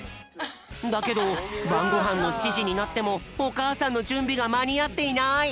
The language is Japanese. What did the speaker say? だけどばんごはんの７じになってもおかあさんのじゅんびがまにあっていない。